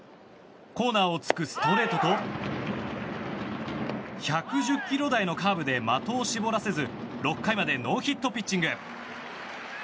コーナーをつくストレートと１１０キロ台のカーブで的を絞らせず６回までノーヒットピッチング。